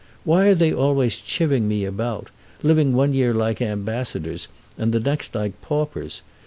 Why are they always chiveying me about—living one year like ambassadors and the next like paupers?